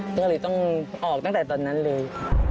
ก็เลยต้องออกตั้งแต่ตอนนั้นเลย